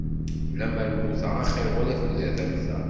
Lemmer mmuteɣ axir wala tudert am ta.